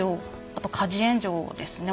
あと家事援助ですね。